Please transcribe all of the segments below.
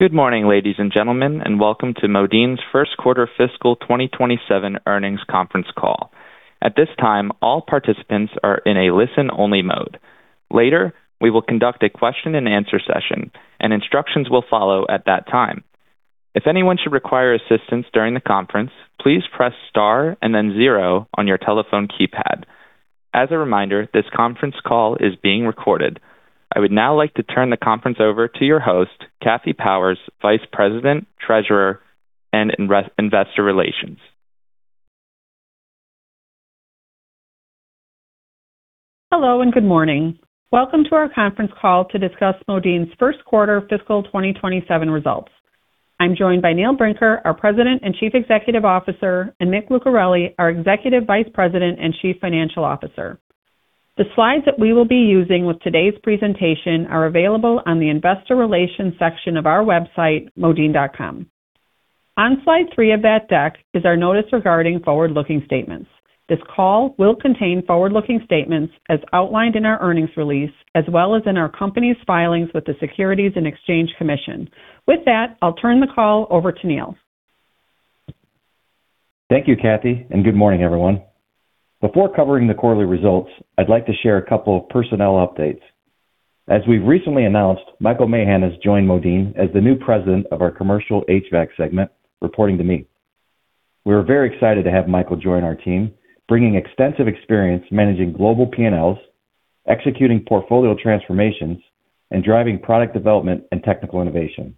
Good morning, ladies and gentlemen, and welcome to Modine's first quarter fiscal 2027 earnings conference call. At this time, all participants are in a listen-only mode. Later, we will conduct a question and answer session, and instructions will follow at that time. If anyone should require assistance during the conference, please press star and then zero on your telephone keypad. As a reminder, this conference call is being recorded. I would now like to turn the conference over to your host, Kathy Powers, Vice President, Treasurer, and Investor Relations. Hello and good morning. Welcome to our conference call to discuss Modine's first quarter fiscal 2027 results. I'm joined by Neil Brinker, our President and Chief Executive Officer, and Mick Lucareli, our Executive Vice President and Chief Financial Officer. The slides that we will be using with today's presentation are available on the investor relations section of our website, modine.com. On slide three of that deck is our notice regarding forward-looking statements. This call will contain forward-looking statements as outlined in our earnings release, as well as in our company's filings with the Securities and Exchange Commission. I'll turn the call over to Neil. Thank you, Kathy, and good morning everyone. Before covering the quarterly results, I'd like to share a couple of personnel updates. As we've recently announced, Michael Mahan has joined Modine as the new president of our Commercial HVAC segment, reporting to me. We are very excited to have Michael join our team, bringing extensive experience managing global P&Ls, executing portfolio transformations, and driving product development and technical innovation.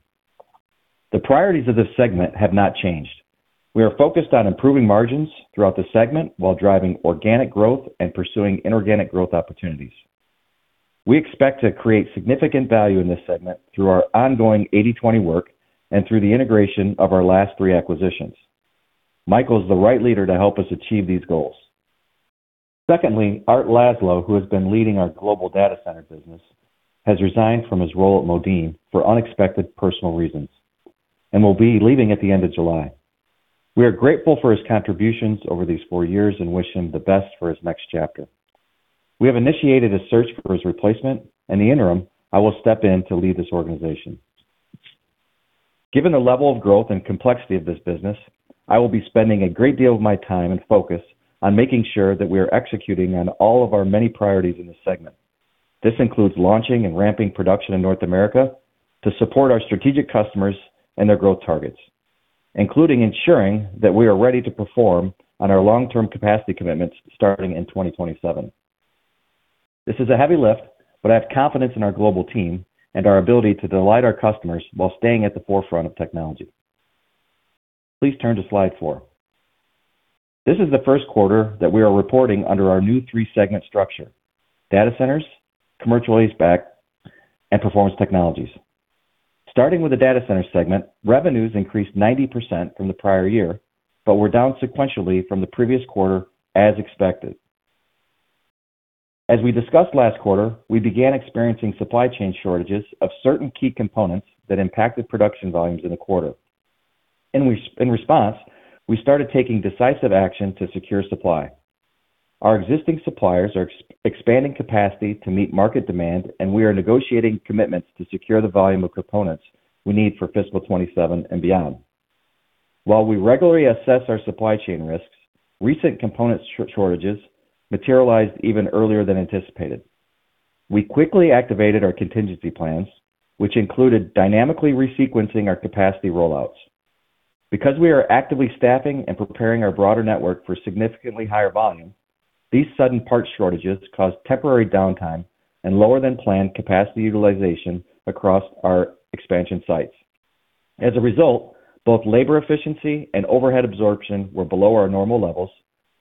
The priorities of this segment have not changed. We are focused on improving margins throughout the segment while driving organic growth and pursuing inorganic growth opportunities. We expect to create significant value in this segment through our ongoing 80/20 work and through the integration of our last three acquisitions. Michael's the right leader to help us achieve these goals. Secondly, Art Laszlo, who has been leading our global data center business, has resigned from his role at Modine for unexpected personal reasons and will be leaving at the end of July. We are grateful for his contributions over these four years and wish him the best for his next chapter. We have initiated a search for his replacement. In the interim, I will step in to lead this organization. Given the level of growth and complexity of this business, I will be spending a great deal of my time and focus on making sure that we are executing on all of our many priorities in this segment. This includes launching and ramping production in North America to support our strategic customers and their growth targets, including ensuring that we are ready to perform on our long-term capacity commitments starting in 2027. This is a heavy lift, but I have confidence in our global team and our ability to delight our customers while staying at the forefront of technology. Please turn to slide four. This is the first quarter that we are reporting under our new three-segment structure: Data Centers, Commercial HVAC, and Performance Technologies. Starting with the Data Center segment, revenues increased 90% from the prior year, but were down sequentially from the previous quarter as expected. As we discussed last quarter, we began experiencing supply chain shortages of certain key components that impacted production volumes in the quarter. In response, we started taking decisive action to secure supply. Our existing suppliers are expanding capacity to meet market demand, and we are negotiating commitments to secure the volume of components we need for fiscal 2027 and beyond. While we regularly assess our supply chain risks, recent component shortages materialized even earlier than anticipated. We quickly activated our contingency plans, which included dynamically resequencing our capacity rollouts. Because we are actively staffing and preparing our broader network for significantly higher volume, these sudden part shortages caused temporary downtime and lower than planned capacity utilization across our expansion sites. As a result, both labor efficiency and overhead absorption were below our normal levels,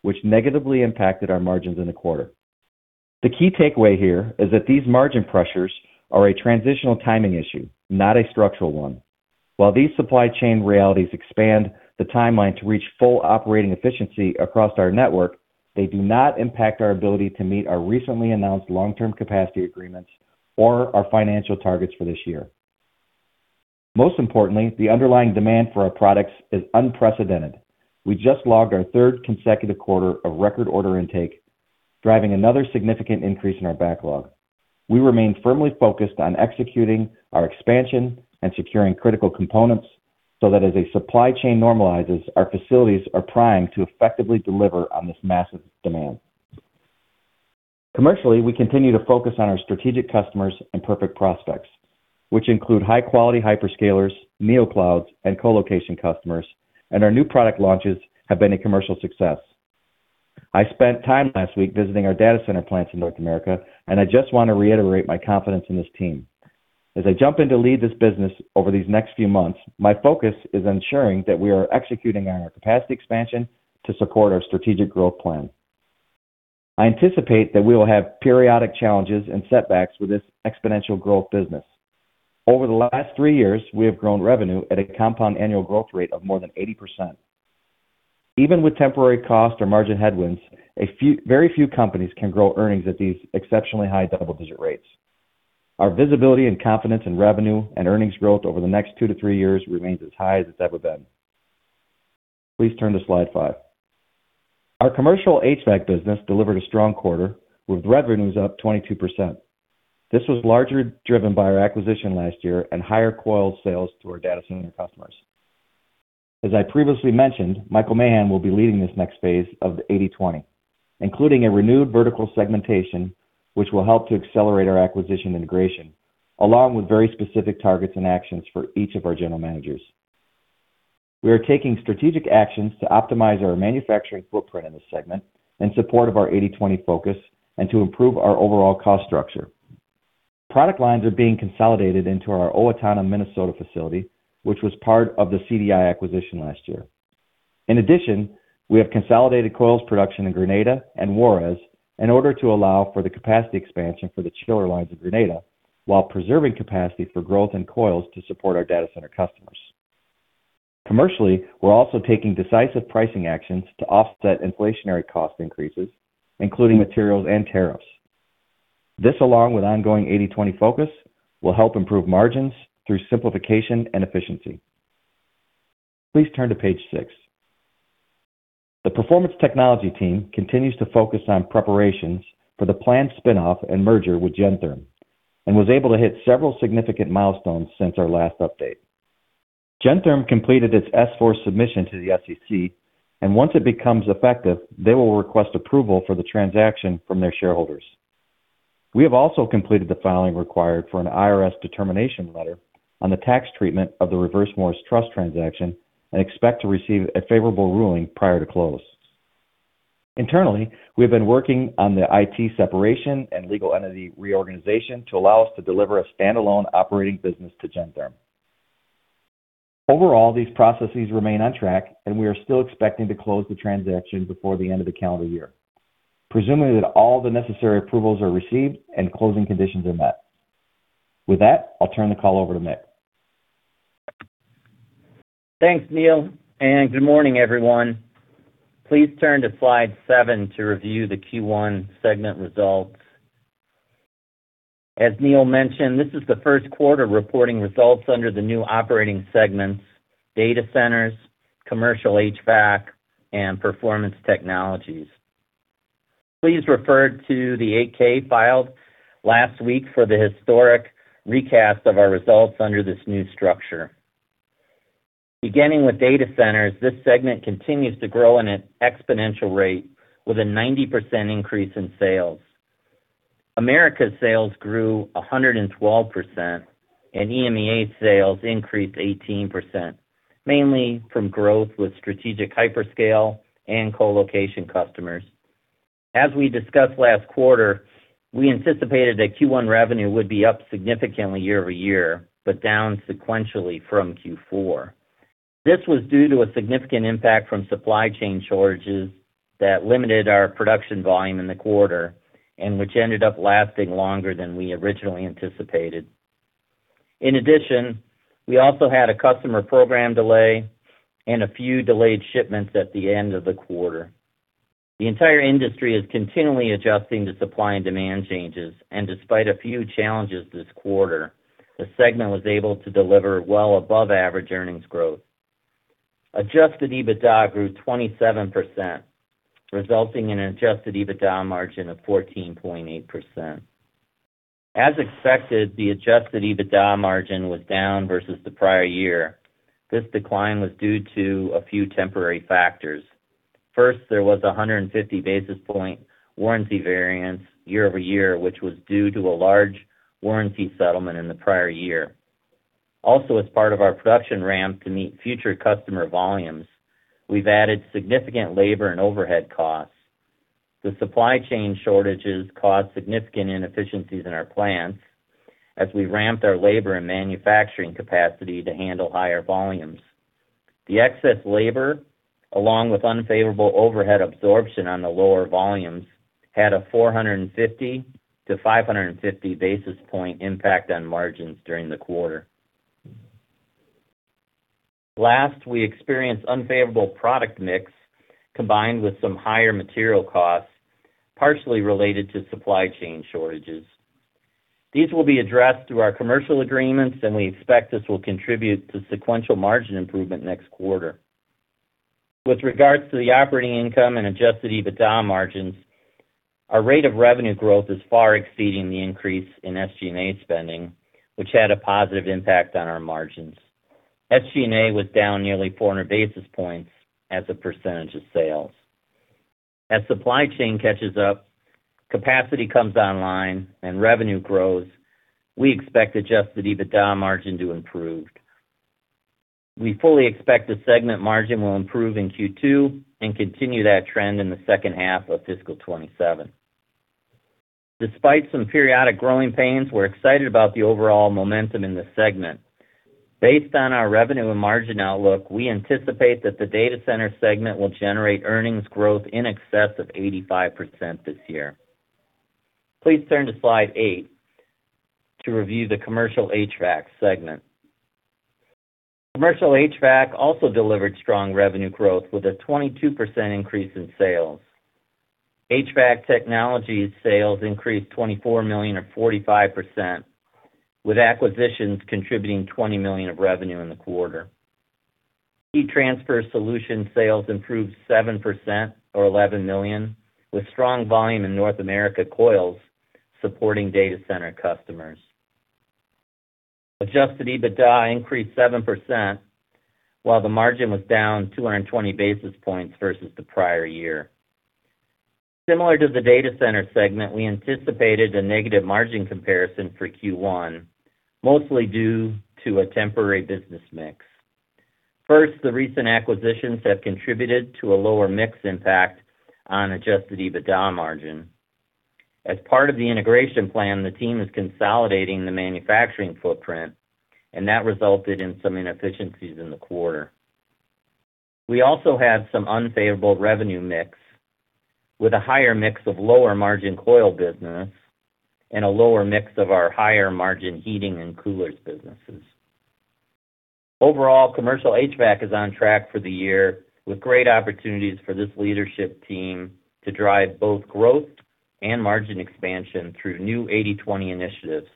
which negatively impacted our margins in the quarter. The key takeaway here is that these margin pressures are a transitional timing issue, not a structural one. While these supply chain realities expand the timeline to reach full operating efficiency across our network, they do not impact our ability to meet our recently announced long-term capacity agreements or our financial targets for this year. Most importantly, the underlying demand for our products is unprecedented. We just logged our third consecutive quarter of record order intake, driving another significant increase in our backlog. We remain firmly focused on executing our expansion and securing critical components so that as our supply chain normalizes, our facilities are primed to effectively deliver on this massive demand. Commercially, we continue to focus on our strategic customers and perfect prospects, which include high-quality hyperscalers, neoclouds, and co-location customers, and our new product launches have been a commercial success. I spent time last week visiting our Data Center plants in North America, and I just want to reiterate my confidence in this team. As I jump in to lead this business over these next few months, my focus is ensuring that we are executing on our capacity expansion to support our strategic growth plan. I anticipate that we will have periodic challenges and setbacks with this exponential growth business. Over the last three years, we have grown revenue at a compound annual growth rate of more than 80%. Even with temporary cost or margin headwinds, very few companies can grow earnings at these exceptionally high double-digit rates. Our visibility and confidence in revenue and earnings growth over the next two to three years remains as high as it's ever been. Please turn to slide five. Our Commercial HVAC business delivered a strong quarter with revenues up 22%. This was largely driven by our acquisition last year and higher coil sales to our Data Center customers. As I previously mentioned, Michael Mahan will be leading this next phase of the 80/20, including a renewed vertical segmentation, which will help to accelerate our acquisition integration, along with very specific targets and actions for each of our general managers. We are taking strategic actions to optimize our manufacturing footprint in the segment in support of our 80/20 focus and to improve our overall cost structure. Product lines are being consolidated into our Owatonna, Minnesota facility, which was part of the CDI acquisition last year. In addition, we have consolidated coils production in Grenada and Juarez in order to allow for the capacity expansion for the chiller lines of Grenada while preserving capacity for growth and coils to support our Data Center customers. Commercially, we are also taking decisive pricing actions to offset inflationary cost increases, including materials and tariffs. This, along with ongoing 80/20 focus, will help improve margins through simplification and efficiency. Please turn to page six. The Performance Technologies team continues to focus on preparations for the planned spin-off and merger with Gentherm and was able to hit several significant milestones since our last update. Gentherm completed its S-4 submission to the SEC. Once it becomes effective, they will request approval for the transaction from their shareholders. We have also completed the filing required for an IRS determination letter on the tax treatment of the Reverse Morris Trust transaction and expect to receive a favorable ruling prior to close. Internally, we have been working on the IT separation and legal entity reorganization to allow us to deliver a standalone operating business to Gentherm. Overall, these processes remain on track, and we are still expecting to close the transaction before the end of the calendar year, presuming that all the necessary approvals are received and closing conditions are met. With that, I will turn the call over to Mick. Thanks, Neil. Good morning, everyone. Please turn to slide seven to review the Q1 segment results. As Neil mentioned, this is the first quarter reporting results under the new operating segments, Data Centers, Commercial HVAC, and Performance Technologies. Please refer to the 8-K filed last week for the historic recast of our results under this new structure. Beginning with Data Centers, this segment continues to grow in an exponential rate with a 90% increase in sales. Americas sales grew 112%, and EMEA sales increased 18%, mainly from growth with strategic hyperscale and colocation customers. As we discussed last quarter, we anticipated that Q1 revenue would be up significantly year-over-year, but down sequentially from Q4. This was due to a significant impact from supply chain shortages that limited our production volume in the quarter, which ended up lasting longer than we originally anticipated. In addition, we also had a customer program delay and a few delayed shipments at the end of the quarter. The entire industry is continually adjusting to supply and demand changes. Despite a few challenges this quarter, the segment was able to deliver well above average earnings growth. Adjusted EBITDA grew 27%, resulting in an adjusted EBITDA margin of 14.8%. As expected, the adjusted EBITDA margin was down versus the prior year. This decline was due to a few temporary factors. First, there was 150 basis point warranty variance year-over-year, which was due to a large warranty settlement in the prior year. Also, as part of our production ramp to meet future customer volumes, we have added significant labor and overhead costs. The supply chain shortages caused significant inefficiencies in our plants as we ramped our labor and manufacturing capacity to handle higher volumes. The excess labor, along with unfavorable overhead absorption on the lower volumes, had a 450-550 basis point impact on margins during the quarter. We experienced unfavorable product mix combined with some higher material costs, partially related to supply chain shortages. These will be addressed through our commercial agreements, and we expect this will contribute to sequential margin improvement next quarter. With regards to the operating income and adjusted EBITDA margins, our rate of revenue growth is far exceeding the increase in SG&A spending, which had a positive impact on our margins. SG&A was down nearly 400 basis points as a percentage of sales. As supply chain catches up, capacity comes online, and revenue grows, we expect adjusted EBITDA margin to improve. We fully expect the segment margin will improve in Q2 and continue that trend in the second half of fiscal 2027. Despite some periodic growing pains, we're excited about the overall momentum in the segment. Based on our revenue and margin outlook, we anticipate that the Data Center segment will generate earnings growth in excess of 85% this year. Please turn to slide eight to review the Commercial HVAC segment. Commercial HVAC also delivered strong revenue growth with a 22% increase in sales. HVAC Technologies sales increased $24 million or 45%, with acquisitions contributing $20 million of revenue in the quarter. Heat Transfer Solutions sales improved 7% or $11 million, with strong volume in North America Coils supporting data center customers. Adjusted EBITDA increased 7%, while the margin was down 220 basis points versus the prior year. Similar to the Data Center segment, we anticipated a negative margin comparison for Q1, mostly due to a temporary business mix. The recent acquisitions have contributed to a lower mix impact on adjusted EBITDA margin. As part of the integration plan, the team is consolidating the manufacturing footprint, and that resulted in some inefficiencies in the quarter. We also had some unfavorable revenue mix with a higher mix of lower margin coil business and a lower mix of our higher margin heating and coolers businesses. Overall, Commercial HVAC is on track for the year with great opportunities for this leadership team to drive both growth and margin expansion through new 80/20 initiatives.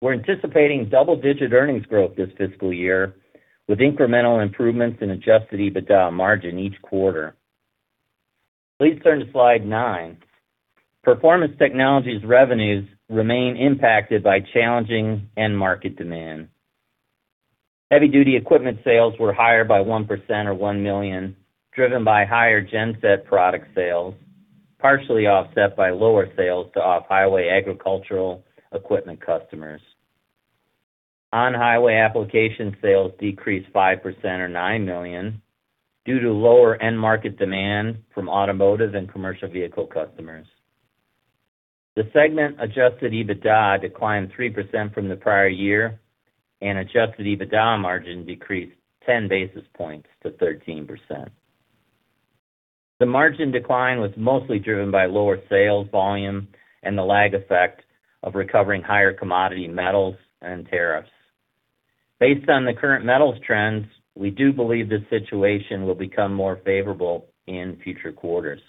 We're anticipating double-digit earnings growth this fiscal year with incremental improvements in adjusted EBITDA margin each quarter. Please turn to slide nine. Performance Technologies revenues remain impacted by challenging end market demand. Heavy-duty equipment sales were higher by 1% or $1 million, driven by higher genset product sales, partially offset by lower sales to off-highway agricultural equipment customers. On-highway application sales decreased 5% or $9 million due to lower end market demand from automotive and commercial vehicle customers. The segment adjusted EBITDA declined 3% from the prior year, and adjusted EBITDA margin decreased 10 basis points to 13%. The margin decline was mostly driven by lower sales volume and the lag effect of recovering higher commodity metals and tariffs. Based on the current metals trends, we do believe this situation will become more favorable in future quarters.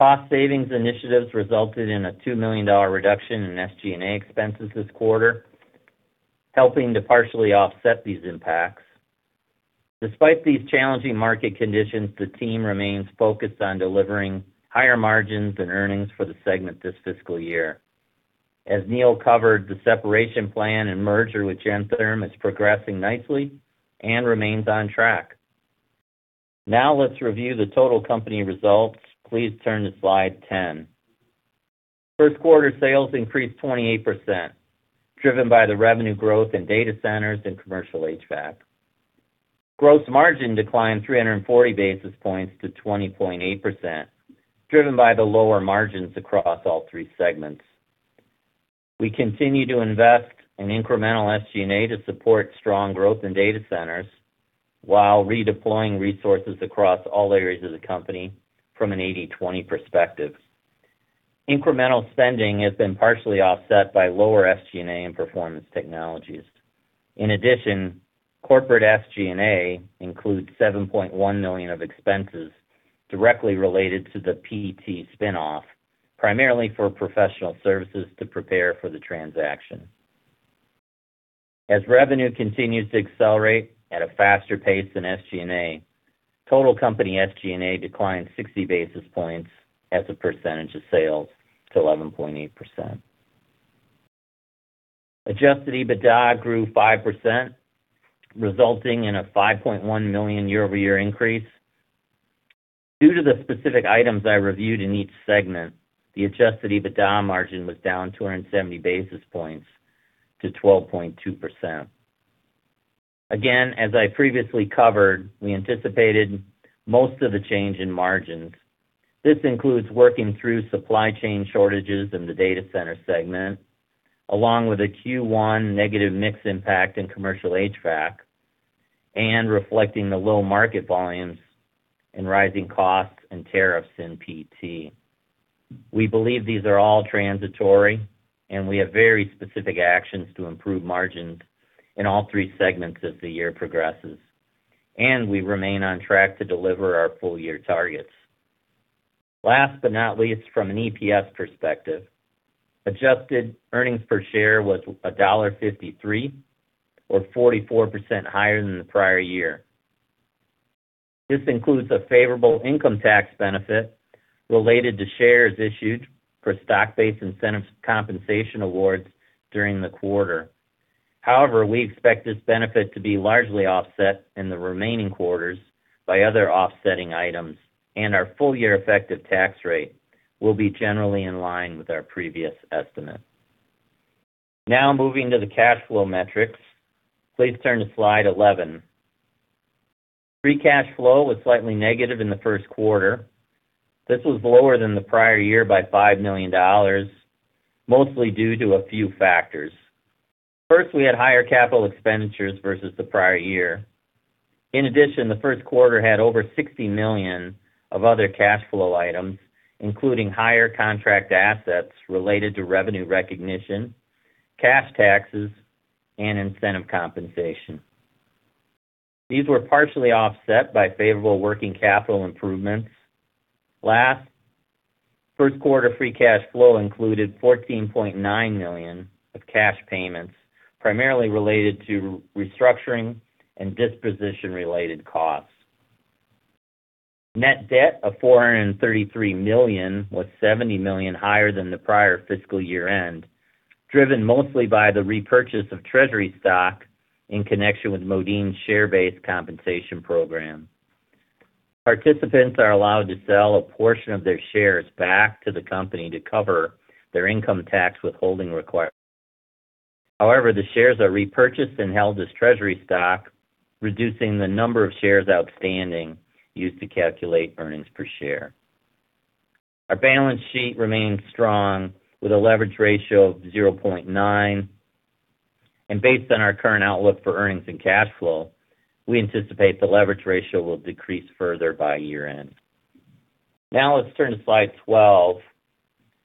Cost savings initiatives resulted in a $2 million reduction in SG&A expenses this quarter, helping to partially offset these impacts. Despite these challenging market conditions, the team remains focused on delivering higher margins and earnings for the segment this fiscal year. As Neil covered, the separation plan and merger with Gentherm is progressing nicely and remains on track. Now let's review the total company results. Please turn to slide 10. First quarter sales increased 28%, driven by the revenue growth in data centers and commercial HVAC. Gross margin declined 340 basis points to 20.8%, driven by the lower margins across all three segments. We continue to invest in incremental SG&A to support strong growth in data centers while redeploying resources across all areas of the company from an 80/20 perspective. Incremental spending has been partially offset by lower SG&A and Performance Technologies. In addition, corporate SG&A includes $7.1 million of expenses directly related to the PT spin-off, primarily for professional services to prepare for the transaction. As revenue continues to accelerate at a faster pace than SG&A, total company SG&A declined 60 basis points as a percentage of sales to 11.8%. Adjusted EBITDA grew 5%, resulting in a $5.1 million year-over-year increase. Due to the specific items I reviewed in each segment, the adjusted EBITDA margin was down 270 basis points to 12.2%. Again, as I previously covered, I anticipated most of the change in margins. This includes working through supply chain shortages in the data center segment, along with a Q1 negative mix impact in commercial HVAC, and reflecting the low market volumes and rising costs and tariffs in PT. We believe these are all transitory, and we have very specific actions to improve margins in all three segments as the year progresses, and we remain on track to deliver our full year targets. Last but not least, from an EPS perspective, adjusted earnings per share was $1.53 or 44% higher than the prior year. This includes a favorable income tax benefit related to shares issued for stock-based incentive compensation awards during the quarter. However, we expect this benefit to be largely offset in the remaining quarters by other offsetting items, and our full year effective tax rate will be generally in line with our previous estimate. Now moving to the cash flow metrics. Please turn to slide 11. Free cash flow was slightly negative in the first quarter. This was lower than the prior year by $5 million, mostly due to a few factors. First, we had higher capital expenditures versus the prior year. In addition, the first quarter had over $60 million of other cash flow items, including higher contract assets related to revenue recognition, cash taxes, and incentive compensation. These were partially offset by favorable working capital improvements. Last, first quarter free cash flow included $14.9 million of cash payments, primarily related to restructuring and disposition-related costs. Net debt of $433 million was $70 million higher than the prior fiscal year-end, driven mostly by the repurchase of treasury stock in connection with Modine's share-based compensation program. Participants are allowed to sell a portion of their shares back to the company to cover their income tax withholding requirements. However, the shares are repurchased and held as treasury stock, reducing the number of shares outstanding used to calculate earnings per share. Our balance sheet remains strong with a leverage ratio of 0.9, and based on our current outlook for earnings and cash flow, we anticipate the leverage ratio will decrease further by year-end. Now let's turn to slide 12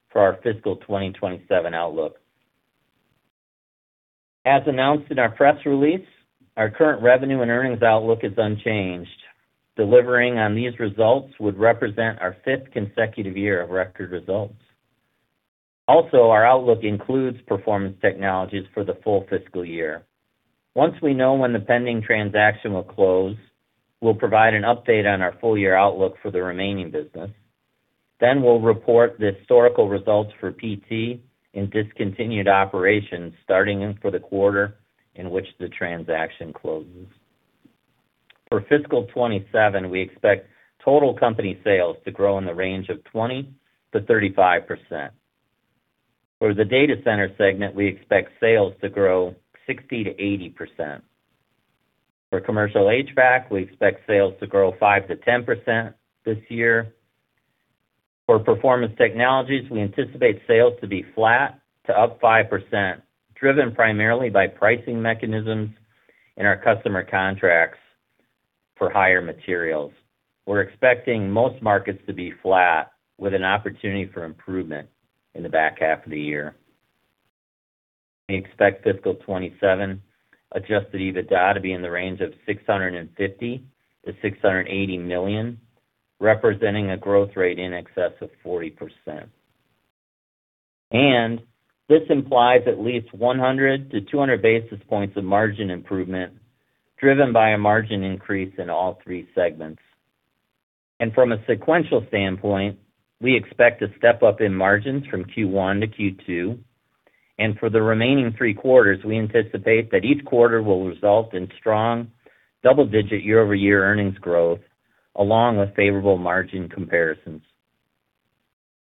for our fiscal 2027 outlook. As announced in our press release, our current revenue and earnings outlook is unchanged. Delivering on these results would represent our fifth consecutive year of record results. Our outlook includes Performance Technologies for the full fiscal year. Once we know when the pending transaction will close, we'll provide an update on our full-year outlook for the remaining business. We'll report the historical results for PT in discontinued operations starting in for the quarter in which the transaction closes. For fiscal 2027, we expect total company sales to grow in the range of 20%-35%. For the Data Center segment, we expect sales to grow 60%-80%. For Commercial HVAC, we expect sales to grow 5%-10% this year. For Performance Technologies, we anticipate sales to be flat to up 5%, driven primarily by pricing mechanisms and our customer contracts for higher materials. We're expecting most markets to be flat with an opportunity for improvement in the back half of the year. We expect fiscal 2027 adjusted EBITDA to be in the range of $650 million-$680 million, representing a growth rate in excess of 40%. This implies at least 100-200 basis points of margin improvement, driven by a margin increase in all three segments. From a sequential standpoint, we expect a step-up in margins from Q1 to Q2. For the remaining three quarters, we anticipate that each quarter will result in strong double-digit year-over-year earnings growth, along with favorable margin comparisons.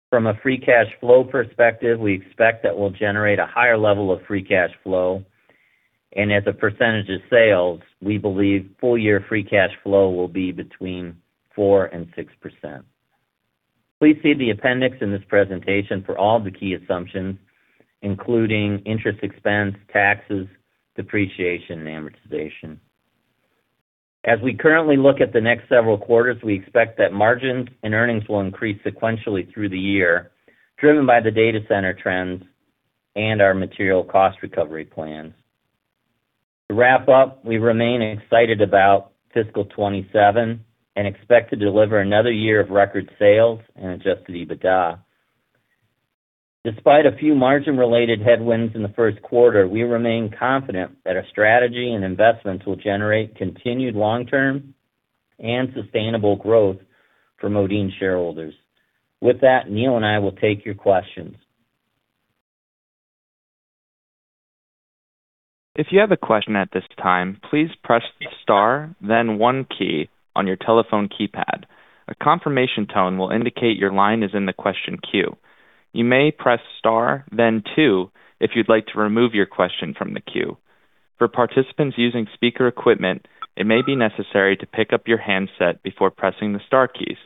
From a free cash flow perspective, we expect that we'll generate a higher level of free cash flow. As a percentage of sales, we believe full-year free cash flow will be between 4% and 6%. Please see the appendix in this presentation for all the key assumptions, including interest expense, taxes, depreciation, and amortization. As we currently look at the next several quarters, we expect that margins and earnings will increase sequentially through the year, driven by the Data Center trends and our material cost recovery plans. To wrap up, we remain excited about fiscal 2027 and expect to deliver another year of record sales and adjusted EBITDA. Despite a few margin-related headwinds in the first quarter, we remain confident that our strategy and investments will generate continued long-term and sustainable growth for Modine shareholders. With that, Neil and I will take your questions. If you have a question at this time, please press star, then one key on your telephone keypad. A confirmation tone will indicate your line is in the question queue. You may press star, then two if you'd like to remove your question from the queue. For participants using speaker equipment, it may be necessary to pick up your handset before pressing the star keys.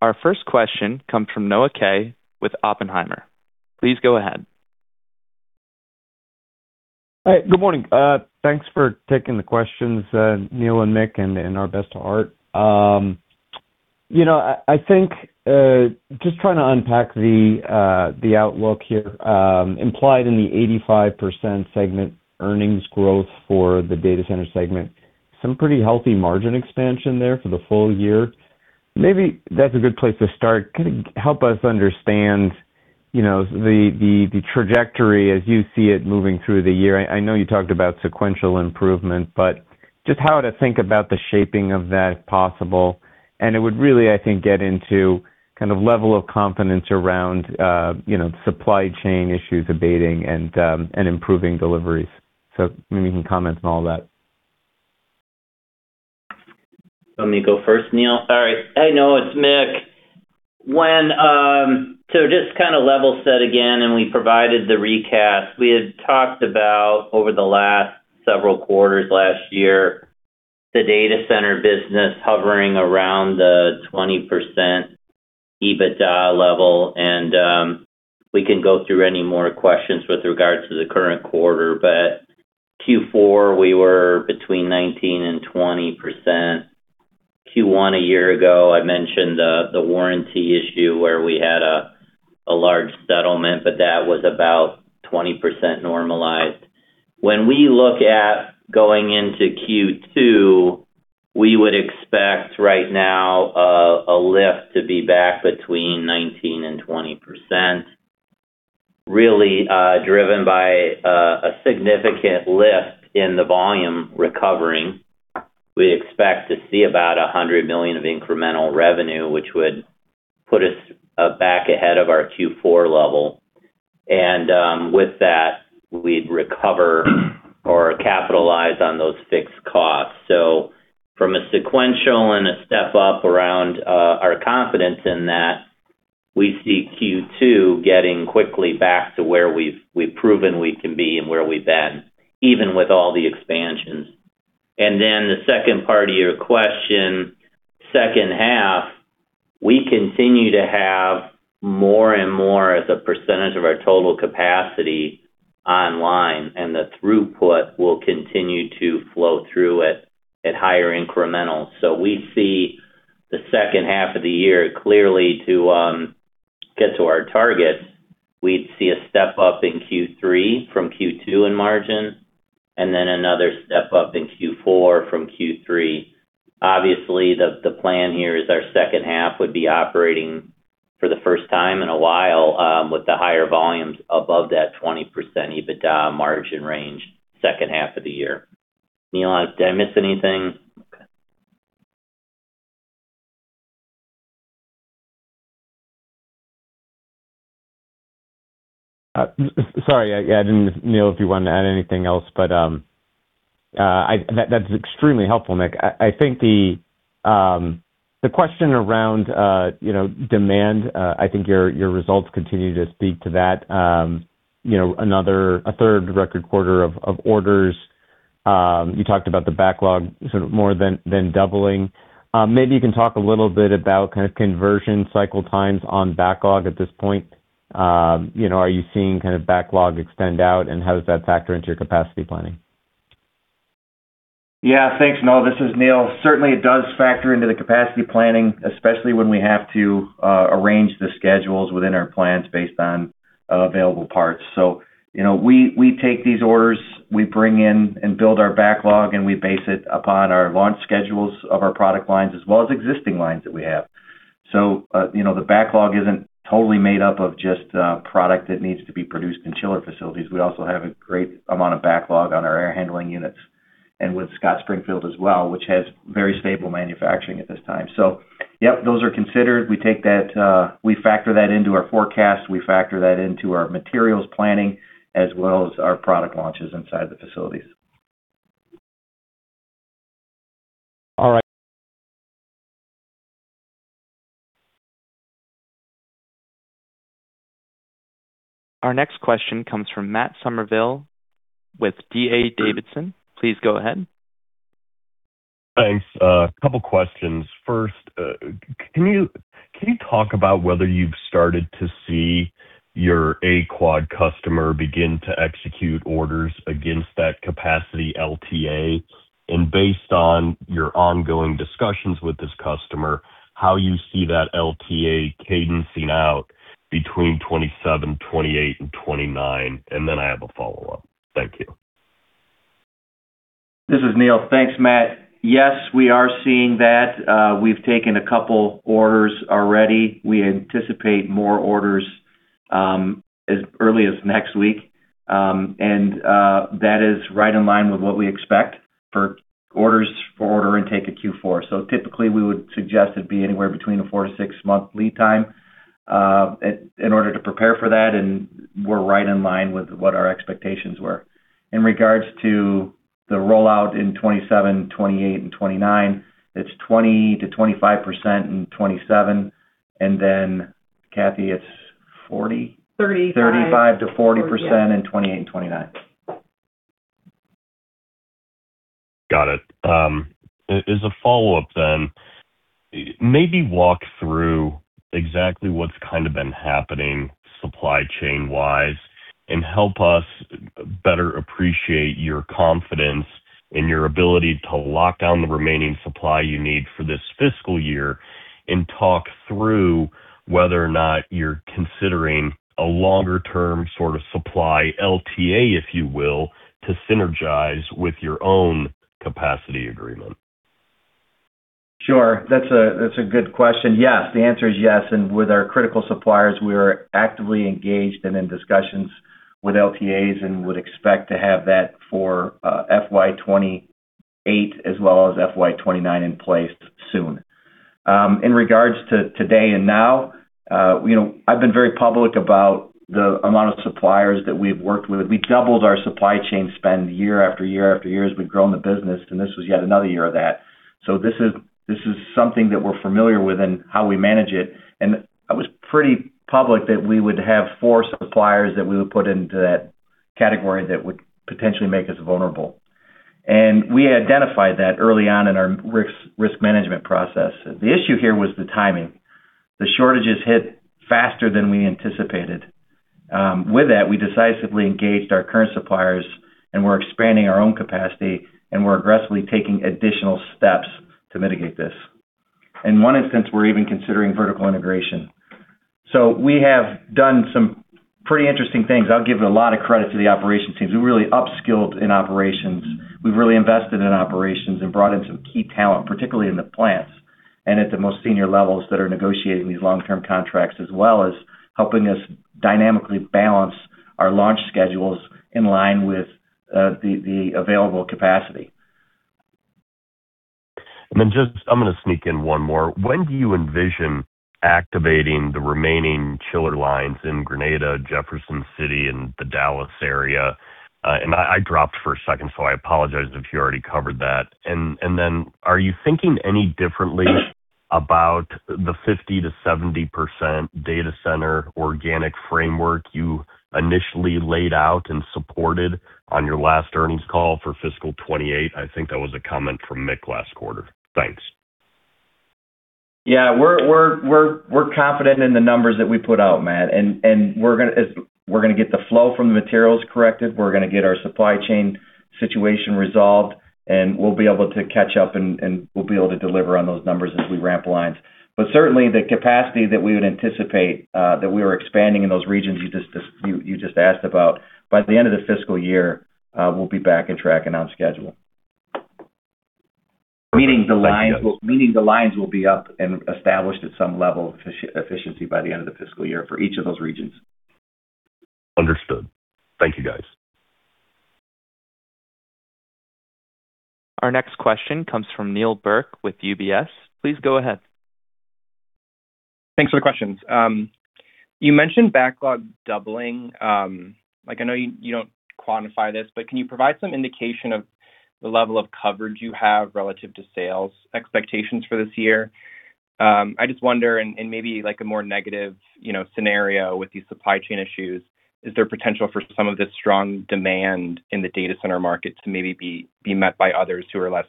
Our first question comes from Noah Kaye with Oppenheimer. Please go ahead. Hi. Good morning. Thanks for taking the questions, Neil and Mick, and our best to Art. I think, just trying to unpack the outlook here implied in the 85% segment earnings growth for the data center segment, some pretty healthy margin expansion there for the full year. Maybe that's a good place to start. Could you help us understand the trajectory as you see it moving through the year? I know you talked about sequential improvement, but just how to think about the shaping of that, if possible, and it would really, I think, get into level of confidence around supply chain issues abating and improving deliveries. Maybe you can comment on all that. You want me to go first, Neil? All right. Hey, Noah, it's Mick. Just to level set again, and we provided the recast. We had talked about over the last several quarters last year, the data center business hovering around the 20% EBITDA level, and we can go through any more questions with regards to the current quarter. Q4, we were between 19% and 20%. Q1 a year ago, I mentioned the warranty issue where we had a large settlement, but that was about 20% normalized. We look at going into Q2, we would expect right now a lift to be back between 19% and 20%, really driven by a significant lift in the volume recovering. We expect to see about $100 million of incremental revenue, which would put us back ahead of our Q4 level. With that, we'd recover or capitalize on those fixed costs. From a sequential and a step up around our confidence in that, we see Q2 getting quickly back to where we've proven we can be and where we've been, even with all the expansions. The second part of your question, second half, we continue to have more and more as a percentage of our total capacity online, and the throughput will continue to flow through at higher incremental. We see the second half of the year clearly to get to our target. We'd see a step up in Q3 from Q2 in margin, another step up in Q4 from Q3. The plan here is our second half would be operating for the first time in a while, with the higher volumes above that 20% EBITDA margin range second half of the year. Neil, did I miss anything? Neil, if you wanted to add anything else, but that's extremely helpful, Mick. I think the question around demand, I think your results continue to speak to that. A third record quarter of orders. You talked about the backlog more than doubling. Maybe you can talk a little bit about conversion cycle times on backlog at this point. Are you seeing backlog extend out, and how does that factor into your capacity planning? Thanks, Noah. This is Neil. Certainly, it does factor into the capacity planning, especially when we have to arrange the schedules within our plants based on available parts. We take these orders, we bring in and build our backlog, and we base it upon our launch schedules of our product lines as well as existing lines that we have. The backlog isn't totally made up of just product that needs to be produced in chiller facilities. We also have a great amount of backlog on our air handling units, and with Scott Springfield as well, which has very stable manufacturing at this time. Yep, those are considered. We factor that into our forecast. We factor that into our materials planning as well as our product launches inside the facilities. All right. Our next question comes from Matt Summerville with D.A. Davidson. Please go ahead. Thanks. A couple questions. First, can you talk about whether you've started to see your A-quad customer begin to execute orders against that capacity LTA? Based on your ongoing discussions with this customer, how you see that LTA cadencing out between 2027, 2028, and 2029? I have a follow-up. Thank you. This is Neil. Thanks, Matt. Yes, we are seeing that. We've taken a couple orders already. We anticipate more orders as early as next week, that is right in line with what we expect for orders for order intake at Q4. Typically, we would suggest it'd be anywhere between a four to six-month lead time in order to prepare for that, and we're right in line with what our expectations were. In regards to the rollout in 2027, 2028, and 2029, it's 20%-25% in 2027. Kathy, it's 40? 35. 35% to 40% in '28 and '29. Got it. As a follow-up, maybe walk through exactly what's been happening supply chain wise and help us better appreciate your confidence in your ability to lock down the remaining supply you need for this fiscal year and talk through whether or not you're considering a longer-term sort of supply LTA, if you will, to synergize with your own capacity agreement. Sure. That's a good question. Yes, the answer is yes. With our critical suppliers, we are actively engaged and in discussions with LTAs and would expect to have that for FY 2028 as well as FY 2029 in place soon. In regards to today and now, I've been very public about the amount of suppliers that we've worked with. We doubled our supply chain spend year after year after year as we've grown the business, and this was yet another year of that. This is something that we're familiar with and how we manage it. I was pretty public that we would have four suppliers that we would put into that category that would potentially make us vulnerable. We identified that early on in our risk management process. The issue here was the timing. The shortages hit faster than we anticipated. With that, we decisively engaged our current suppliers, we're expanding our own capacity, and we're aggressively taking additional steps to mitigate this. In one instance, we're even considering vertical integration. We have done some pretty interesting things. I'll give a lot of credit to the operations teams, who really upskilled in operations. We've really invested in operations and brought in some key talent, particularly in the plants, at the most senior levels that are negotiating these long-term contracts, as well as helping us dynamically balance our launch schedules in line with the available capacity. Just, I'm going to sneak in one more. When do you envision activating the remaining chiller lines in Grenada, Jefferson City, and the Dallas area? I dropped for a second, so I apologize if you already covered that. Are you thinking any differently about the 50%-70% data center organic framework you initially laid out and supported on your last earnings call for fiscal 2028? I think that was a comment from Mick last quarter. Thanks. We're confident in the numbers that we put out, Matt, we're going to get the flow from the materials corrected. We're going to get our supply chain situation resolved, we'll be able to catch up, and we'll be able to deliver on those numbers as we ramp lines. Certainly, the capacity that we would anticipate, that we are expanding in those regions you just asked about, by the end of the fiscal year, we'll be back on track and on schedule. Perfect. Thank you, guys. Meaning the lines will be up and established at some level of efficiency by the end of the fiscal year for each of those regions. Understood. Thank you, guys. Our next question comes from Neil Burke with UBS. Please go ahead. Thanks for the questions. You mentioned backlog doubling. I know you don't quantify this, but can you provide some indication of the level of coverage you have relative to sales expectations for this year? I just wonder, in maybe a more negative scenario with these supply chain issues, is there potential for some of the strong demand in the data center market to maybe be met by others who are less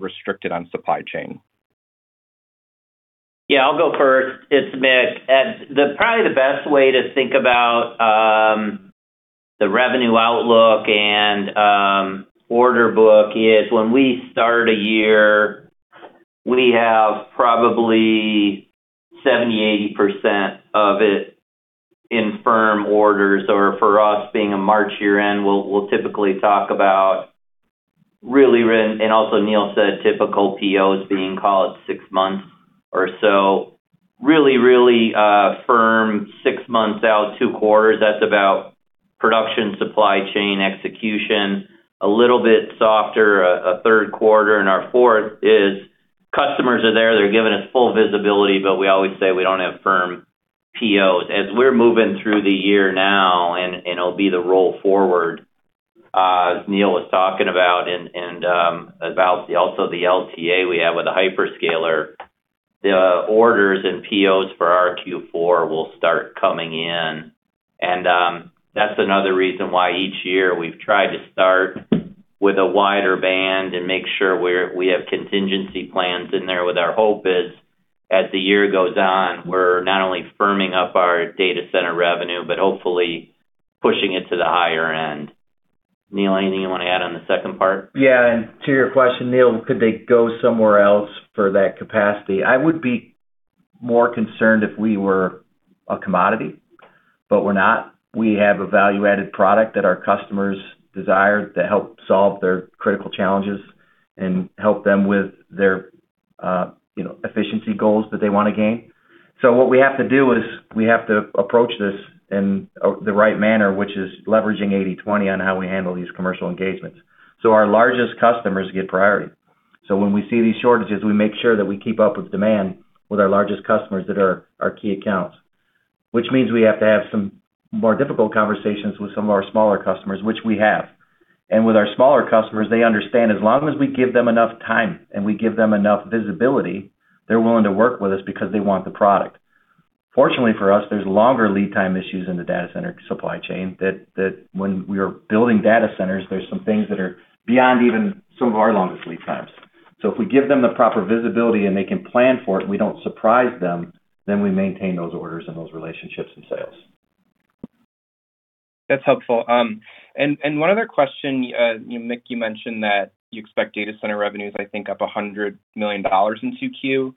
restricted on supply chain? Yeah, I'll go first. It's Mick. Probably the best way to think about the revenue outlook and order book is when we start a year, we have probably 70%, 80% of it in firm orders. For us, being a March year-end, we'll typically talk about really, and also Neil said typical POs being, call it, six months or so. Really firm six months out, two quarters, that's about production, supply chain execution. A little bit softer, a third quarter and our fourth is customers are there, they're giving us full visibility, but we always say we don't have firm POs. As we're moving through the year now, and it'll be the roll forward, as Neil was talking about, and about also the LTA we have with a hyperscaler, the orders and POs for our Q4 will start coming in. That's another reason why each year we've tried to start with a wider band and make sure we have contingency plans in there, with our hope is, as the year goes on, we're not only firming up our data center revenue, but hopefully pushing it to the higher end. Neil, anything you want to add on the second part? Yeah. To your question, Neil, could they go somewhere else for that capacity? I would be more concerned if we were a commodity, but we're not. We have a value-added product that our customers desire to help solve their critical challenges and help them with their efficiency goals that they want to gain. What we have to do is we have to approach this in the right manner, which is leveraging 80/20 on how we handle these commercial engagements. Our largest customers get priority. When we see these shortages, we make sure that we keep up with demand with our largest customers that are our key accounts. Which means we have to have some more difficult conversations with some of our smaller customers, which we have. With our smaller customers, they understand as long as we give them enough time and we give them enough visibility, they're willing to work with us because they want the product. Fortunately for us, there's longer lead time issues in the data center supply chain, that when we are building data centers, there's some things that are beyond even some of our longest lead times. If we give them the proper visibility and they can plan for it, we don't surprise them, then we maintain those orders and those relationships and sales. That's helpful. One other question. Mick, you mentioned that you expect data center revenues, I think, up $100 million in 2Q,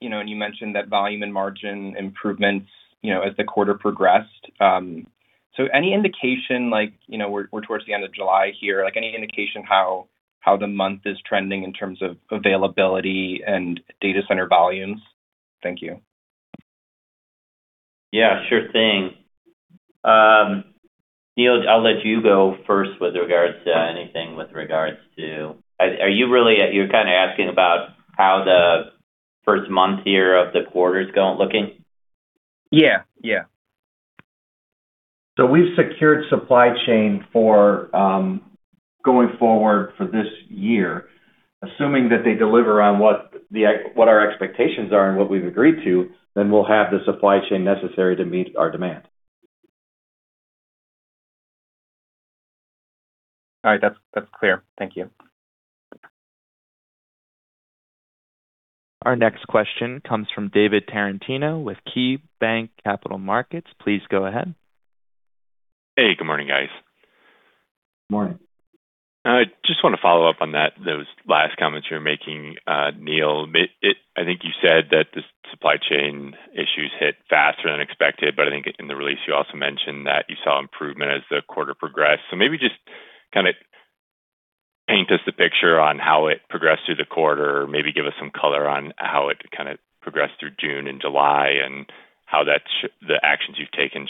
you mentioned that volume and margin improvements as the quarter progressed. Any indication, we're towards the end of July here, any indication how the month is trending in terms of availability and data center volumes? Thank you. Yeah, sure thing. Neil, I'll let you go first with regards to anything with regards to You're kind of asking about how the first month here of the quarter's looking? Yeah. We've secured supply chain for going forward for this year. Assuming that they deliver on what our expectations are and what we've agreed to, then we'll have the supply chain necessary to meet our demand. All right, that's clear. Thank you. Our next question comes from David Tarantino with KeyBanc Capital Markets. Please go ahead. Hey, good morning, guys. Morning. I just want to follow up on those last comments you were making, Neil. I think you said that the supply chain issues hit faster than expected, but I think in the release you also mentioned that you saw improvement as the quarter progressed. Maybe just kind of paint us the picture on how it progressed through the quarter, or maybe give us some color on how it kind of progressed through June and July, and how the actions you've taken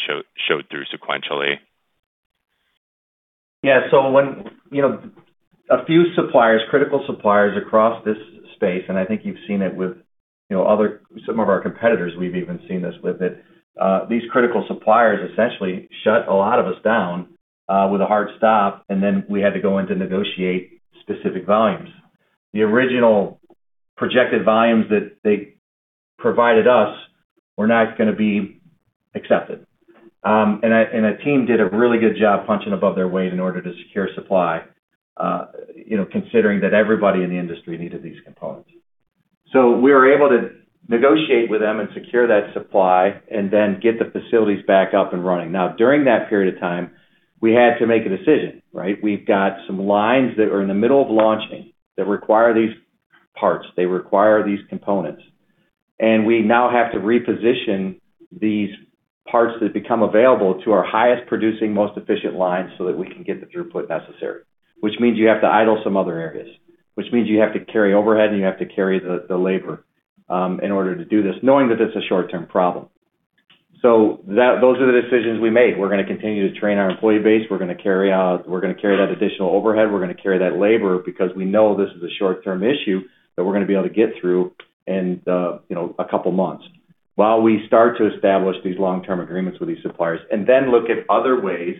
showed through sequentially. Yeah. When a few suppliers, critical suppliers across this space, and I think you've seen it with some of our competitors, we've even seen this with it. These critical suppliers essentially shut a lot of us down with a hard stop, and then we had to go in to negotiate specific volumes. The original projected volumes that they provided us were not going to be accepted. The team did a really good job punching above their weight in order to secure supply, considering that everybody in the industry needed these components. We were able to negotiate with them and secure that supply, and then get the facilities back up and running. Now, during that period of time, we had to make a decision, right? We've got some lines that are in the middle of launching that require these parts. They require these components. We now have to reposition these parts that become available to our highest producing, most efficient lines so that we can get the throughput necessary, which means you have to idle some other areas, which means you have to carry overhead, and you have to carry the labor in order to do this, knowing that it's a short-term problem. Those are the decisions we made. We're going to continue to train our employee base. We're going to carry that additional overhead. We're going to carry that labor because we know this is a short-term issue that we're going to be able to get through in a couple of months while we start to establish these long-term agreements with these suppliers, then look at other ways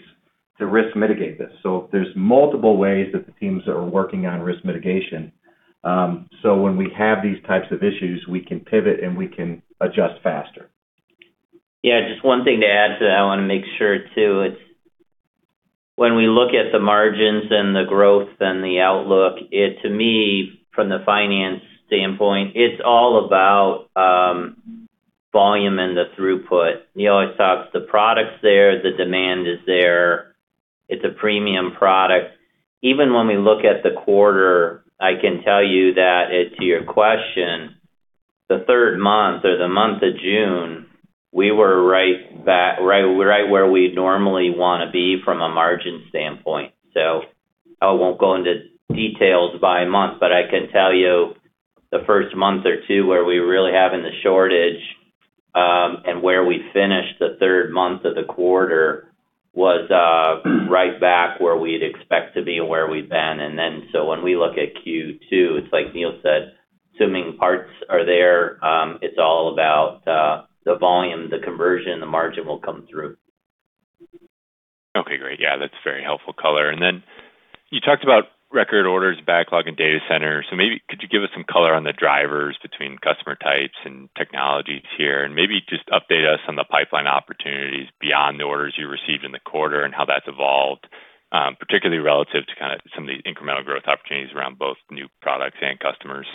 to risk mitigate this. There's multiple ways that the teams are working on risk mitigation. When we have these types of issues, we can pivot, and we can adjust faster. Just one thing to add to that I want to make sure, too. When we look at the margins and the growth and the outlook, to me, from the finance standpoint, it's all about volume and the throughput. Neil always talks the product's there, the demand is there. It's a premium product. Even when we look at the quarter, I can tell you that to your question, the third month or the month of June, we were right where we'd normally want to be from a margin standpoint. I won't go into details by month, but I can tell you the first month or two where we were really having the shortage, and where we finished the third month of the quarter was right back where we'd expect to be and where we've been. When we look at Q2, it's like Neil said, assuming parts are there, it's all about the volume, the conversion, the margin will come through. Okay, great. Yeah, that's very helpful color. You talked about record orders backlog in data center. Maybe could you give us some color on the drivers between customer types and technologies here, and maybe just update us on the pipeline opportunities beyond the orders you received in the quarter and how that's evolved, particularly relative to kind of some of the incremental growth opportunities around both new products and customers?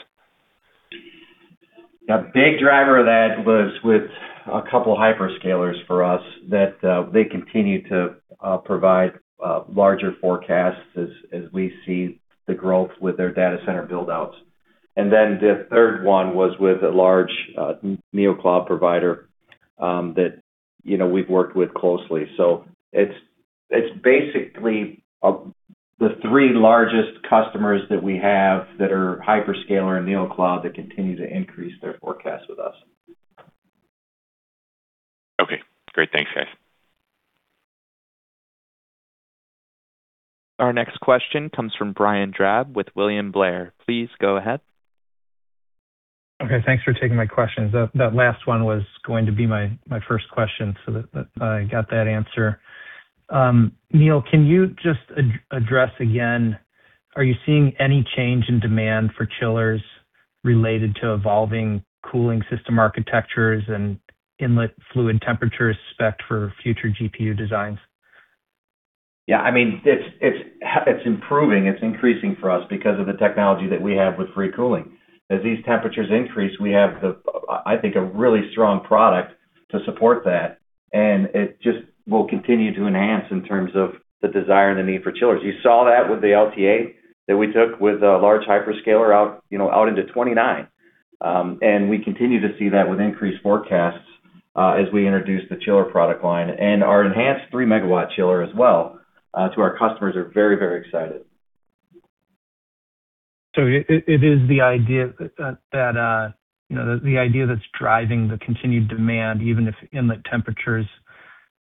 A big driver of that was with a couple of hyperscalers for us, that they continue to provide larger forecasts as we see the growth with their data center build-outs. The third one was with a large neocloud provider that we've worked with closely. It's basically the three largest customers that we have that are hyperscaler and neocloud that continue to increase their forecast with us. Okay. Great. Thanks, guys. Our next question comes from Brian Drab with William Blair. Please go ahead. Okay. Thanks for taking my questions. That last one was going to be my first question, so I got that answer. Neil, can you just address again, are you seeing any change in demand for chillers related to evolving cooling system architectures and inlet fluid temperature spec for future GPU designs? Yeah, it's improving. It's increasing for us because of the technology that we have with free cooling. As these temperatures increase, we have, I think, a really strong product to support that, and it just will continue to enhance in terms of the desire and the need for chillers. You saw that with the LTA that we took with a large hyperscaler out into 2029. We continue to see that with increased forecasts as we introduce the chiller product line, and our enhanced 3-megawatt chiller as well to our customers are very excited. It is the idea that's driving the continued demand, even if inlet temperatures are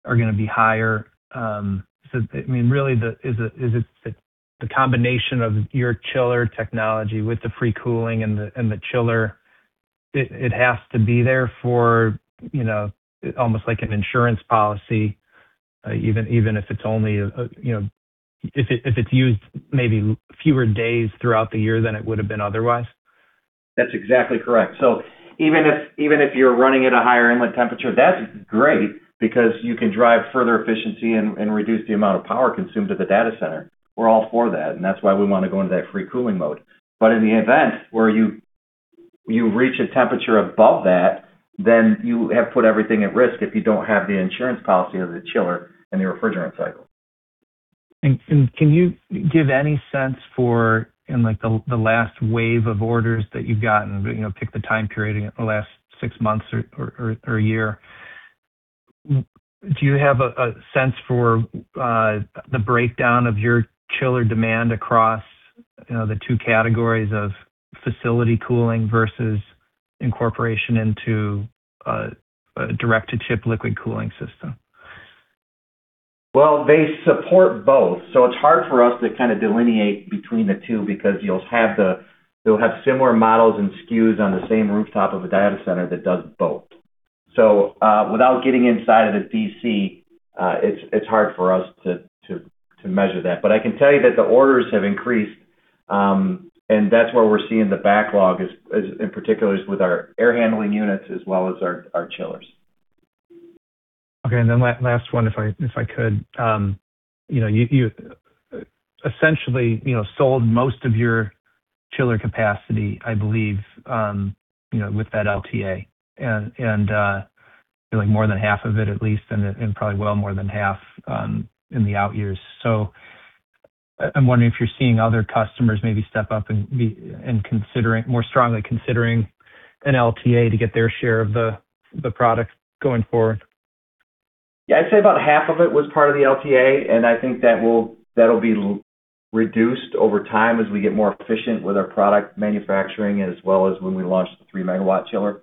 going to be higher. Really, is it the combination of your chiller technology with the free cooling and the chiller, it has to be there for almost like an insurance policy, even if it's used maybe fewer days throughout the year than it would have been otherwise? That's exactly correct. Even if you're running at a higher inlet temperature, that's great because you can drive further efficiency and reduce the amount of power consumed at the data center. We're all for that, and that's why we want to go into that free cooling mode. In the event where you reach a temperature above that, you have put everything at risk if you don't have the insurance policy of the chiller and the refrigerant cycle. Can you give any sense for the last wave of orders that you've gotten, pick the time period in the last six months or year. Do you have a sense for the breakdown of your chiller demand across the two categories of facility cooling versus incorporation into a direct-to-chip liquid cooling system? They support both, so it's hard for us to delineate between the two because you'll have similar models and SKUs on the same rooftop of a data center that does both. Without getting inside of the DC, it's hard for us to measure that. I can tell you that the orders have increased, and that's where we're seeing the backlog, in particular, is with our air handling units as well as our chillers. Okay. Last one, if I could. You essentially sold most of your chiller capacity, I believe, with that LTA, more than half of it at least, and probably well more than half in the out years. I'm wondering if you're seeing other customers maybe step up and more strongly considering an LTA to get their share of the product going forward. Yeah. I'd say about half of it was part of the LTA, and I think that'll be reduced over time as we get more efficient with our product manufacturing, as well as when we launch the three-megawatt chiller.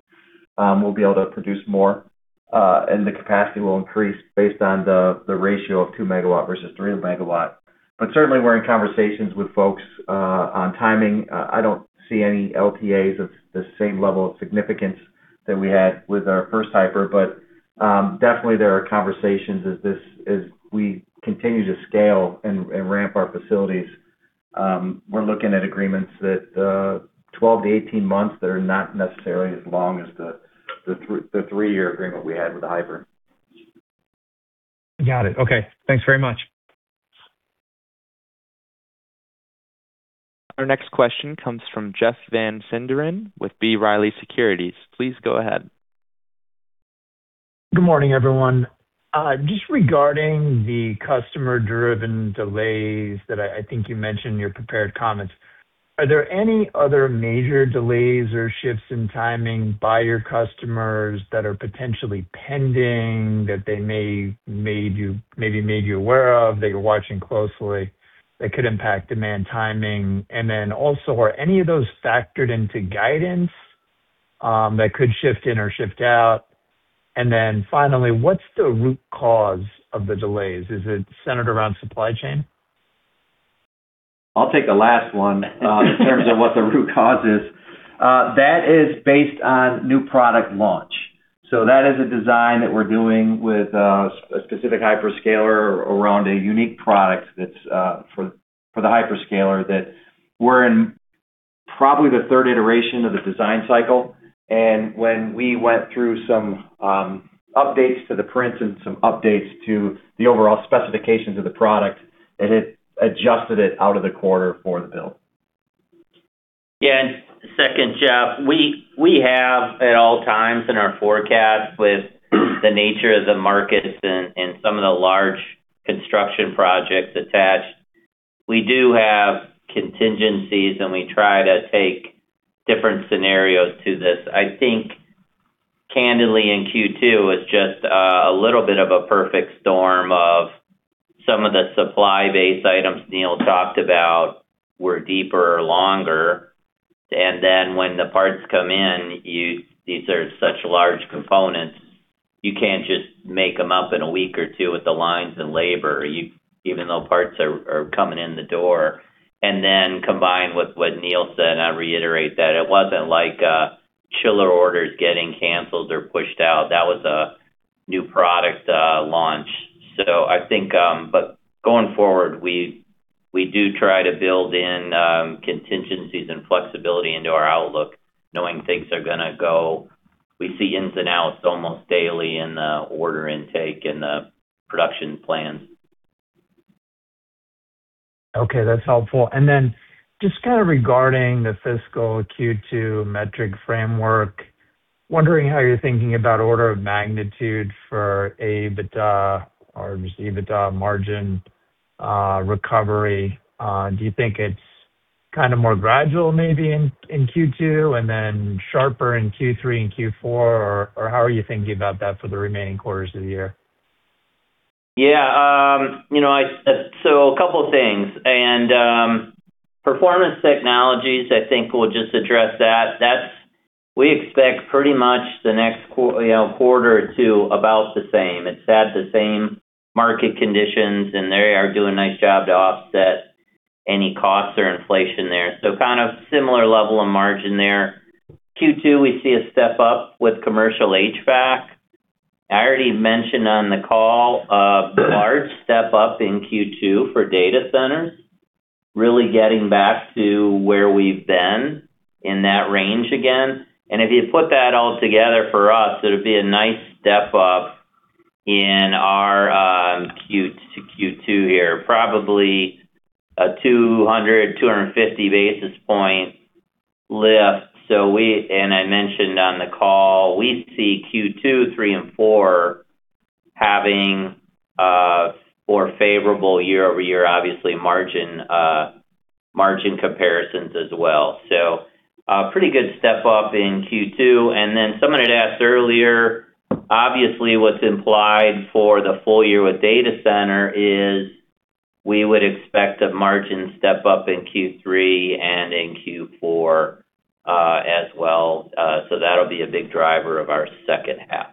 We'll be able to produce more, and the capacity will increase based on the ratio of 2 MW versus 3 MW. Certainly, we're in conversations with folks on timing. I don't see any LTAs of the same level of significance that we had with our first hyper, but definitely there are conversations as we continue to scale and ramp our facilities. We're looking at agreements that 12-18 months that are not necessarily as long as the three-year agreement we had with the hyper. Got it. Okay. Thanks very much. Our next question comes from Jeff Van Sinderen with B. Riley Securities. Please go ahead. Regarding the customer-driven delays that I think you mentioned in your prepared comments, are there any other major delays or shifts in timing by your customers that are potentially pending that they maybe made you aware of, that you're watching closely, that could impact demand timing? Also, are any of those factored into guidance that could shift in or shift out? Finally, what's the root cause of the delays? Is it centered around supply chain? I'll take the last one in terms of what the root cause is. That is based on new product launch. That is a design that we're doing with a specific hyperscaler around a unique product that's for the hyperscaler, that we're in probably the third iteration of the design cycle. When we went through some updates to the prints and some updates to the overall specifications of the product, it had adjusted it out of the quarter for the build. Yeah. Second, Jeff, we have at all times in our forecast with the nature of the markets and some of the large construction projects attached, we do have contingencies, and we try to take different scenarios to this. I think candidly in Q2, it's just a little bit of a perfect storm of some of the supply-based items Neil talked about were deeper or longer. When the parts come in, these are such large components, you can't just make them up in a week or two with the lines and labor, even though parts are coming in the door. Combined with what Neil said, I reiterate that it wasn't like chiller orders getting canceled or pushed out. That was a new product launch. Going forward, we do try to build in contingencies and flexibility into our outlook, knowing things are going to go. We see ins and outs almost daily in the order intake and the production plans. Okay. That's helpful. Just kind of regarding the fiscal Q2 metric framework, wondering how you're thinking about order of magnitude for EBITDA or just EBITDA margin recovery. Do you think it's kind of more gradual maybe in Q2 and then sharper in Q3 and Q4, or how are you thinking about that for the remaining quarters of the year? Yeah. A couple things. Performance Technologies, I think we'll just address that. We expect pretty much the next quarter or two about the same. It's had the same market conditions, and they are doing a nice job to offset any costs or inflation there. Kind of similar level of margin there. Q2, we see a step-up with commercial HVAC. I already mentioned on the call, step up in Q2 for data centers, really getting back to where we've been in that range again. If you put that all together for us, it'll be a nice step up in our Q2 here. Probably a 200, 250 basis point lift. I mentioned on the call, we see Q2, three, and four having more favorable year-over-year, obviously margin comparisons as well. A pretty good step up in Q2. Someone had asked earlier, obviously what's implied for the full year with data center is we would expect a margin step up in Q3 and in Q4 as well. That will be a big driver of our second half.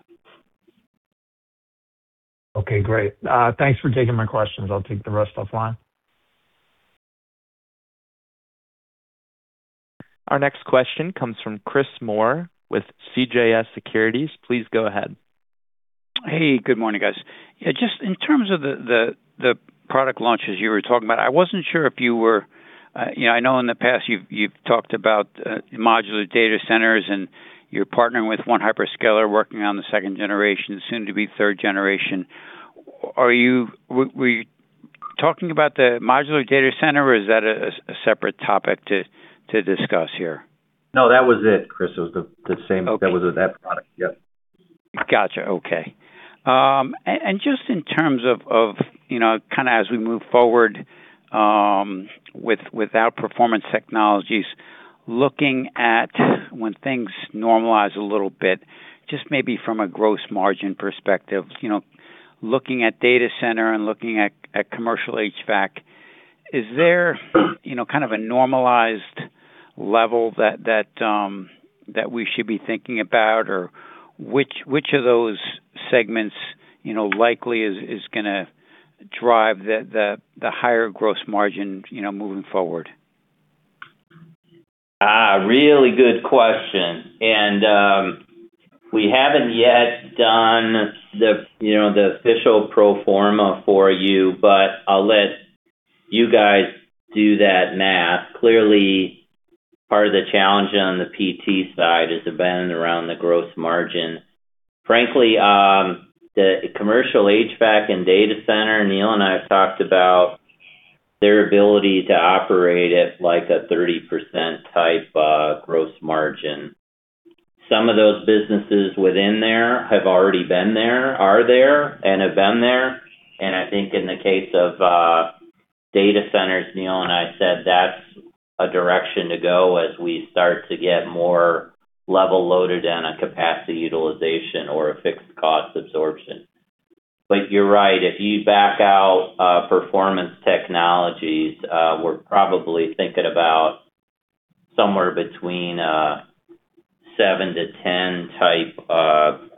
Okay, great. Thanks for taking my questions. I'll take the rest offline. Our next question comes from Chris Moore with CJS Securities. Please go ahead. Hey, good morning, guys. In terms of the product launches you were talking about, I wasn't sure. I know in the past you've talked about modular data centers, and you're partnering with one hyperscaler, working on the second generation, soon to be third generation. Were you talking about the modular data center or is that a separate topic to discuss here? No, that was it, Chris. It was the same. Okay. That was with that product. Yep. Got you. Okay. Just in terms of as we move forward with our Performance Technologies, looking at when things normalize a little bit, just maybe from a gross margin perspective, looking at Data Center and looking at Commercial HVAC, is there a normalized level that we should be thinking about or which of those segments likely is going to drive the higher gross margin moving forward? Really good question. We haven't yet done the official pro forma for you, but I'll let you guys do that math. Clearly, part of the challenge on the PT side has been around the gross margin. Frankly, the Commercial HVAC and Data Center, Neil and I have talked about their ability to operate at a 30% type gross margin. Some of those businesses within there have already been there, are there, and have been there. I think in the case of Data Centers, Neil and I said that's a direction to go as we start to get more level loaded in a capacity utilization or a fixed cost absorption. You're right. If you back out Performance Technologies, we're probably thinking about somewhere between 7%-10% type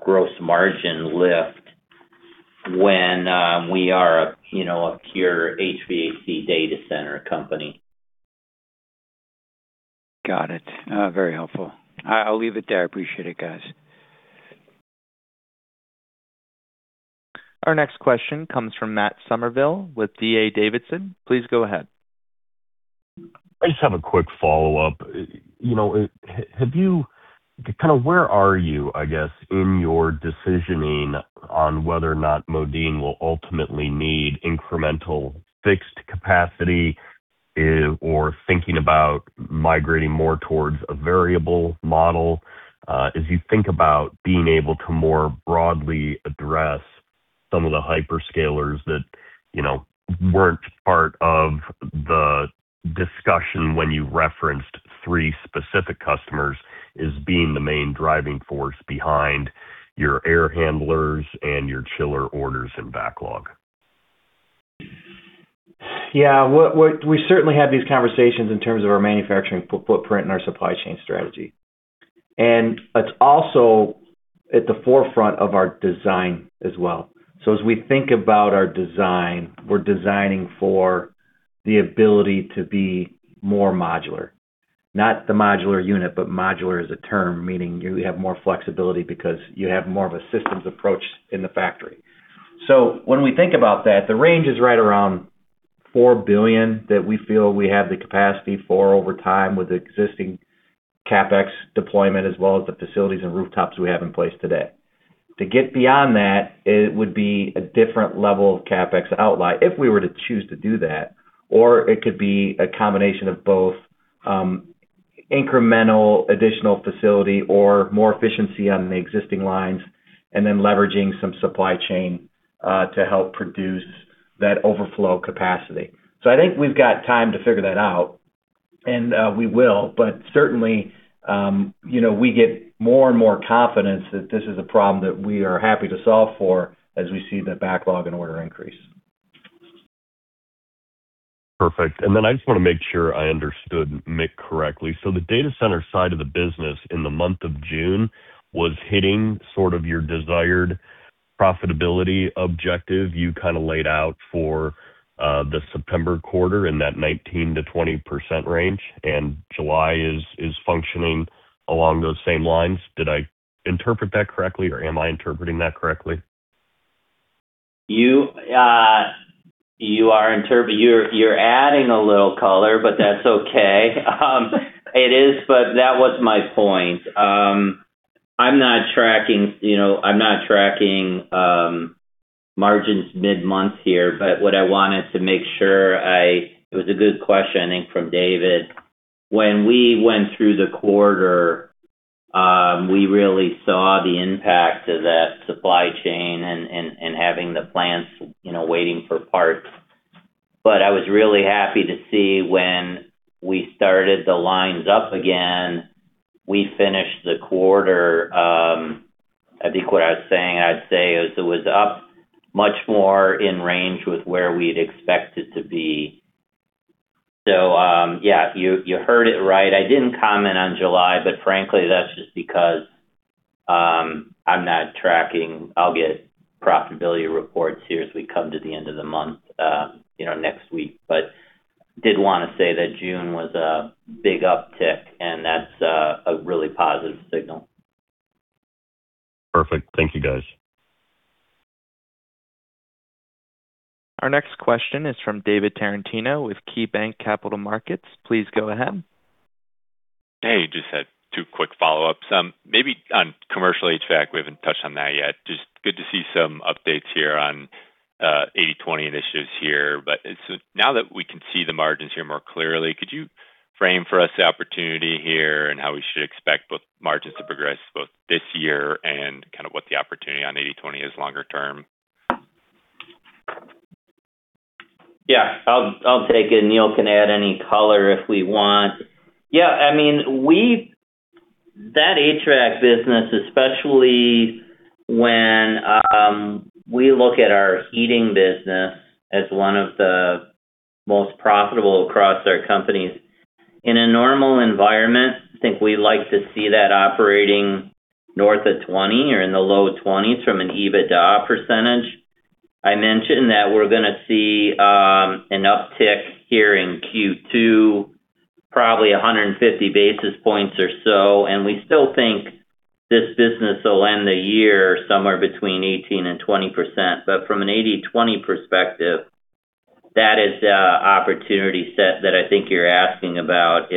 gross margin lift when we are a pure HVAC Data Center company. Got it. Very helpful. I'll leave it there. I appreciate it, guys. Our next question comes from Matt Summerville with D.A. Davidson. Please go ahead. I just have a quick follow-up. Where are you, I guess, in your decisioning on whether or not Modine will ultimately need incremental fixed capacity or thinking about migrating more towards a variable model as you think about being able to more broadly address some of the hyperscalers that weren't part of the discussion when you referenced three specific customers as being the main driving force behind your air handlers and your chiller orders and backlog? Yeah. We certainly have these conversations in terms of our manufacturing footprint and our supply chain strategy. It's also at the forefront of our design as well. As we think about our design, we're designing for the ability to be more modular. Not the modular unit, but modular as a term, meaning you have more flexibility because you have more of a systems approach in the factory. When we think about that, the range is right around $4 billion that we feel we have the capacity for over time with the existing CapEx deployment as well as the facilities and rooftops we have in place today. To get beyond that, it would be a different level of CapEx outlay if we were to choose to do that, or it could be a combination of both incremental additional facility or more efficiency on the existing lines, then leveraging some supply chain to help produce that overflow capacity. I think we've got time to figure that out, and we will. Certainly, we get more and more confidence that this is a problem that we are happy to solve for as we see the backlog and order increase. Perfect. I just want to make sure I understood Mick correctly. The data center side of the business in the month of June was hitting sort of your desired profitability objective you laid out for the September quarter in that 19%-20% range, July is functioning along those same lines. Did I interpret that correctly, or am I interpreting that correctly? You're adding a little color, that's okay. It is, that was my point. I'm not tracking margins mid-month here, what I wanted to make sure It was a good question, I think, from David. When we went through the quarter, we really saw the impact of that supply chain and having the plants waiting for parts. I was really happy to see when we started the lines up again, we finished the quarter, I think what I was saying, I'd say is it was up much more in range with where we'd expect it to be. Yeah, you heard it right. I didn't comment on July, frankly, that's just because I'm not tracking. I'll get profitability reports here as we come to the end of the month next week. Did want to say that June was a big uptick, that's a really positive signal. Perfect. Thank you, guys. Our next question is from David Tarantino with KeyBanc Capital Markets. Please go ahead. Hey. Just had two quick follow-ups. Maybe on commercial HVAC, we haven't touched on that yet. Just good to see some updates here on 80/20 initiatives here. Now that we can see the margins here more clearly, could you frame for us the opportunity here and how we should expect both margins to progress both this year and kind of what the opportunity on 80/20 is longer term? Yeah. I'll take it. Neil can add any color if we want. Yeah, that HVAC business, especially when we look at our heating business as one of the most profitable across our companies. In a normal environment, I think we like to see that operating north of 20 or in the low 20s from an EBITDA percentage. I mentioned that we're going to see an uptick here in Q2, probably 150 basis points or so, and we still think this business will end the year somewhere between 18% and 20%. From an 80/20 perspective, that is the opportunity set that I think you're asking about.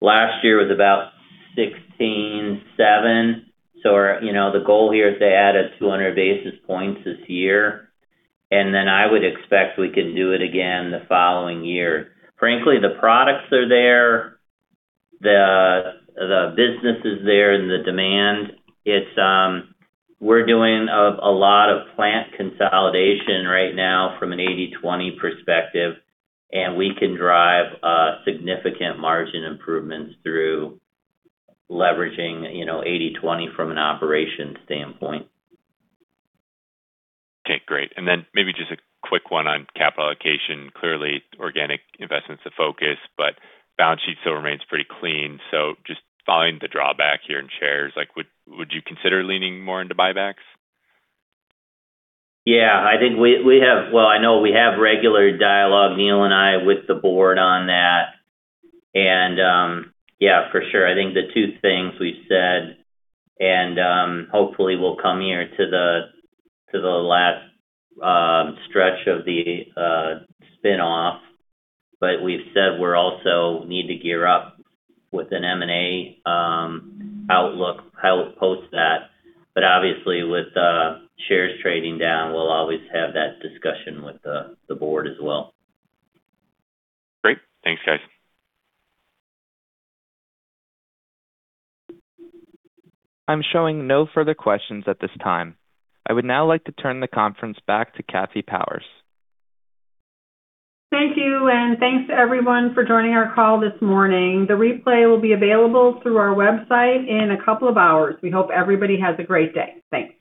Last year was about 16.7%, so the goal here is to add 200 basis points this year. Then I would expect we can do it again the following year. Frankly, the products are there, the business is there, and the demand. We're doing a lot of plant consolidation right now from an 80/20 perspective, and we can drive significant margin improvements through leveraging 80/20 from an operations standpoint. Okay, great. Then maybe just a quick one on capital allocation. Clearly, organic investment's the focus, but balance sheet still remains pretty clean. Just following the drawback here in shares, would you consider leaning more into buybacks? Yeah. I know we have regular dialogue, Neil and I, with the board on that. Yeah, for sure. I think the two things we've said, and hopefully we'll come here to the last stretch of the spin-off. We've said we also need to gear up with an M&A outlook post that. Obviously, with shares trading down, we'll always have that discussion with the board as well. Great. Thanks, guys. I'm showing no further questions at this time. I would now like to turn the conference back to Kathy Powers. Thank you, and thanks, everyone, for joining our call this morning. The replay will be available through our website in a couple of hours. We hope everybody has a great day. Thanks.